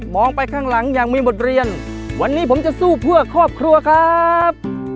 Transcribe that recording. องไปข้างหลังอย่างมีบทเรียนวันนี้ผมจะสู้เพื่อครอบครัวครับ